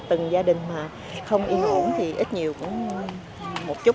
từng gia đình mà không yên ổn thì ít nhiều cũng một chút